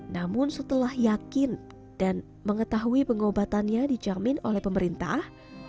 namun setelah yakin dan mengetahui pengobatannya dijamin oleh pemerintah